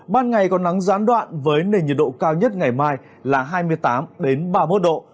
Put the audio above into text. ban ngày có nắng gián đoạn với nền nhiệt độ cao nhất ngày mai là hai mươi tám ba mươi một độ